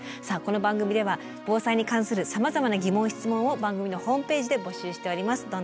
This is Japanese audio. さあこの番組では防災に関するさまざまな疑問・質問を番組のホームページで募集しております。